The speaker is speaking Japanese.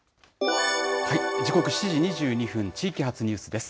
時刻７時２２分、地域発ニュースです。